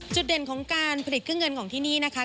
เด่นของการผลิตเครื่องเงินของที่นี่นะคะ